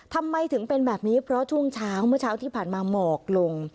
ทำไมถึงเป็นแบบนี้เพราะช่วงเช้าเมื่อเช้าที่ผ่านมาหมอกลง